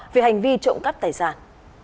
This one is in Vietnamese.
về hành vi trộm cắt tài sản